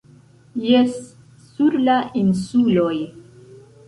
Jes, sur la insuloj.